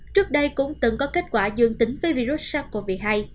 trước đây cũng từng có kết quả dương tính